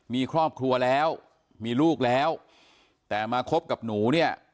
มีครอบครัวแล้วมีลูกแล้วแต่มาคบกับหนูเนี่ย